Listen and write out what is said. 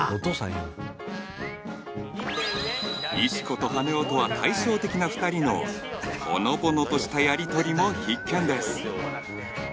言うな石子と羽男とは対照的な２人のほのぼのとしたやりとりも必見です